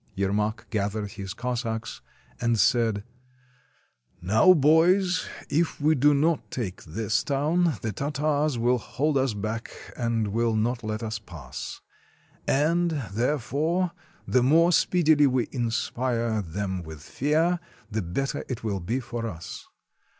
Yermak gathered his Cossacks, and said: —" Now, boys, if we do not take this town, the Tartars will hold us back and will not let us pass. And, there fore, the more speedily we inspire them with fear, the better it will be for us.